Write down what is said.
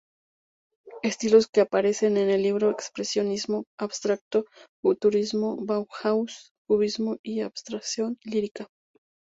Estilos que aparecen en el libro: Expresionismo abstracto, Futurismo, Bauhaus, Cubismo y Abstracción lírica.